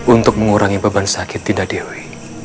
untuk mengurangi beban sakit dinda dewi